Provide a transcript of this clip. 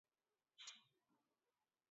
Qui es dirigeix a ella?